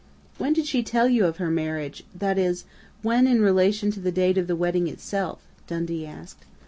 "When did she tell you of her marriage that is, when in relation to the date of the wedding itself?" Dundee asked.